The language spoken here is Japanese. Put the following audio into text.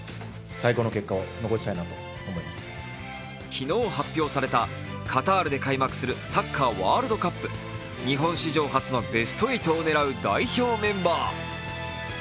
昨日発表された、カタールで開幕するサッカーワールドカップ。日本史上初のベスト８を狙う代表メンバー。